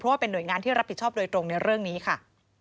ว่าเป็นห่วยงานที่รับผิดชอบโดยตรงในเรื่องนี้ค่ะ